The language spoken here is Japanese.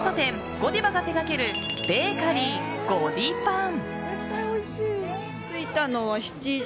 ゴディバが手掛けるベーカリー、ゴディパン。